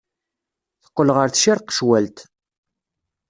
Teqqel ɣer tcirqecwalt.